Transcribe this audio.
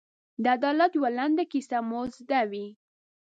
د عدالت یوه لنډه کیسه مو زده وي.